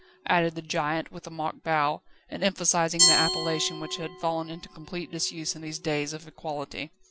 added the giant, with a mock bow, and emphasising the appellation which had fallen into complete disuse in these days of equality.